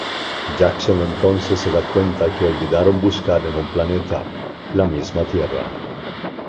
Jackson entonces se da cuenta que olvidaron buscar en un planeta: la misma Tierra.